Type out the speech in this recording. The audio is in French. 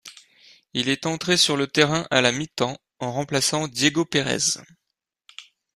Il est entré sur le terrain à la mi-temps, en remplaçant Diego Pérez.